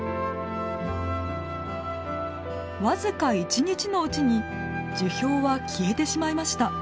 僅か１日のうちに樹氷は消えてしまいました。